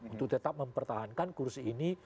untuk tetap mempertahankan kursi ini